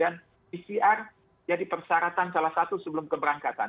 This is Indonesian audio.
dan pcr jadi persyaratan salah satu sebelum keberangkatan